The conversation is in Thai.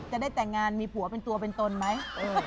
จะได้แต่งงานมีผัวเป็นตัวเป็นตนไหม